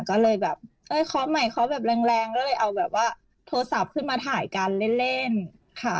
ก็เลยแบบเอ้ยขอใหม่เคาะแบบแรงก็เลยเอาแบบว่าโทรศัพท์ขึ้นมาถ่ายกันเล่นค่ะ